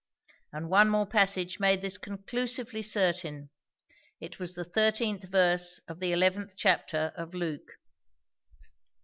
And one more passage made this conclusively certain. It was the thirteenth verse of the eleventh chapter of Luke.